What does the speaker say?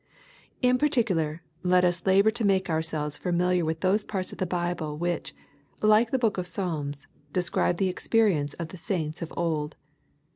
In particular, let us labor to make ourselves familiar with those parts of the Bible which, like the book of Psalms, describe the experience of the saints of old.